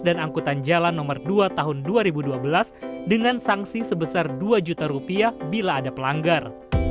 dan angkutan jalan no dua tahun dua ribu dua belas dengan sanksi sebesar dua juta rupiah bila ada pelanggar